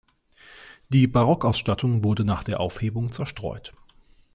Die Barockausstattung wurde nach der Aufhebung zerstreut.